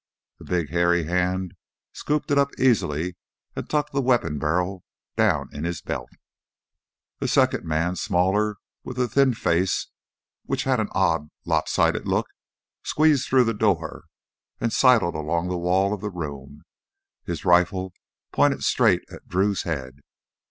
The big hairy hand scooped it up easily and tucked the weapon barrel down in his belt. A second man, smaller, with a thin face which had an odd lopsided look, squeezed through the door and sidled along the wall of the room, his rifle pointed straight at Drew's head.